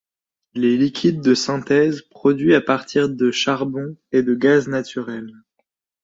Les liquides de synthèse produits à partir de charbon et de gaz naturel.